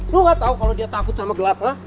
lo gak tau kalau dia takut sama gelap ha